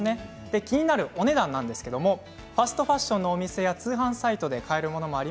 気になるお値段はファストファッションの店や通販サイトで買えるものもあり